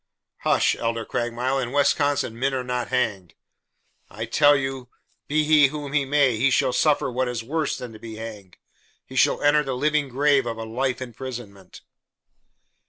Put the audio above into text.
"Hush, Elder Craigmile; in Wisconsin men are not hanged." "I tell you be he whom he may he shall suffer what is worse than to be hanged, he shall enter the living grave of a life imprisonment."